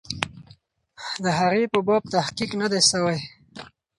د هغې په باب تحقیق نه دی سوی.